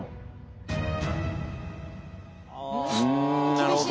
なるほど。